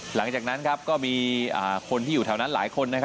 หลังจากนั้นก็มีคนที่อยู่แถวนั้นหลายคน